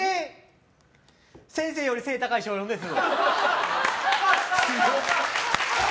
先生より背高い小４です。